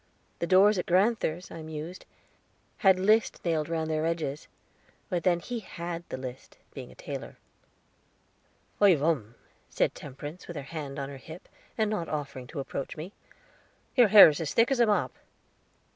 "The doors at grand'ther's," I mused, "had list nailed round their edges; but then he had the list, being a tailor." "I vum," said Temperance, with her hand on her hip, and not offering to approach me, "your hair is as thick as a mop."